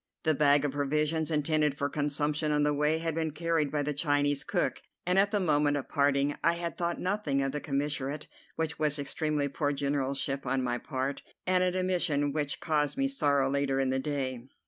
The bag of provisions intended for consumption on the way had been carried by the Chinese cook, and at the moment of parting I had thought nothing of the commissariat, which was extremely poor generalship on my part, and an omission which caused me sorrow later in the day.